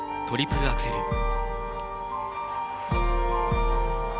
トリプルアクセル。